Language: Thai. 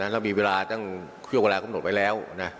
เรามีเวลาตั้งเวลาคุ้มโดดไว้แล้ว